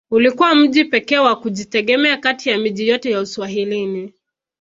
Ulikuwa mji pekee wa kujitegemea kati ya miji yote ya Uswahilini